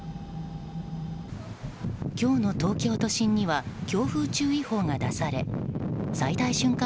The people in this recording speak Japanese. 今日の東京都心には強風注意報が出され最大瞬間